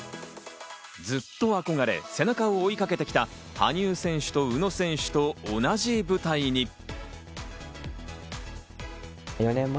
ずっと憧れ、背中を追いかけてきた羽生選手と宇野選手と同じ舞台に。